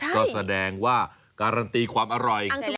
ก็แสดงว่าการันตีความอร่อย